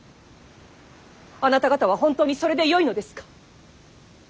あなた方は本当にそれでよいのですか。